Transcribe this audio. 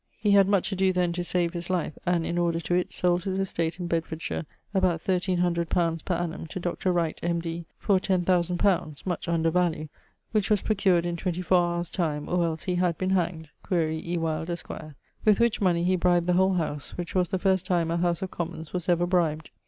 He had much adoe then to save his life, and in order to it, sold his estate in Bedfordshire, about 1300 li. per annum, to Dr. Wright, M.D. for 10,000 li., (much under value) which was procured in 24 hours' time, or els he had been hanged (quaere E. Wyld, esq.). With which money he bribed the whole House, which was the first time a House of Commons was ever bribed.